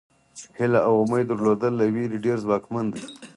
هیله او امید درلودل له وېرې ډېر ځواکمن دي.